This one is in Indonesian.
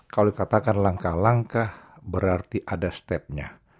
kalau dikatakan langkah langkah berarti ada stepnya